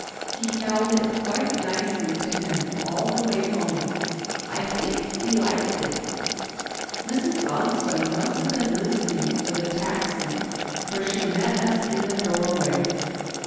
He held it quite nicely to him all the way home. I think he liked it. Mrs. Bonstone must have been listening for the taxi, for she met us in the doorway.